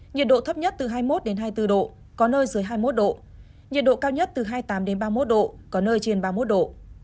nhiệt độ thấp nhất từ hai mươi một hai mươi bốn độ có nơi dưới hai mươi một độ nhiệt độ cao nhất từ hai mươi tám ba mươi một độ có nơi trên ba mươi một độ